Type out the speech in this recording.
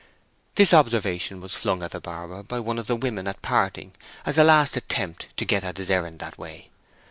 The observation was flung at the barber by one of the women at parting, as a last attempt to get at his errand that way.